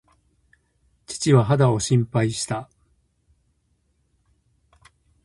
父は肌を心配した。